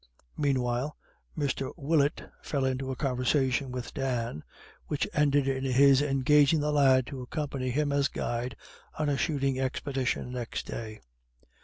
Meanwhile Mr. Willett fell into a conversation with Dan, which ended in his engaging the lad to accompany him as guide on a shooting expedition next day.